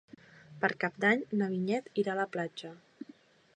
Per Cap d'Any na Vinyet irà a la platja.